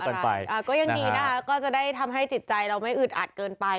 ก็ยังดีนะคะก็จะได้ทำให้จิตใจเราไม่อึดอัดเกินไป